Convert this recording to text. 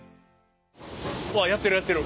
うわやってるやってる。